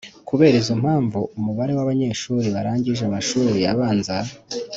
Kubera izo mpamvu umubare w abanyeshuri barangije amashuri abanza